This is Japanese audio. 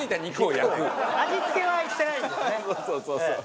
そうそうそうそう。